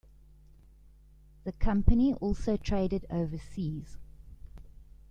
The company also traded overseas.